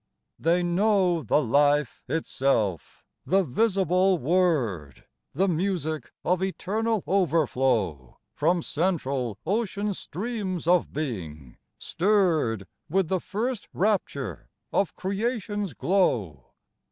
They know the Life itself, the visible Word, The music of eternal overflow (40) THE WORD 41 From central ocean streams of being, stirred With the first rapture of creation's glow.